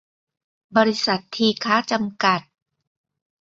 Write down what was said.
บริษัท ทีฆะ จำกัด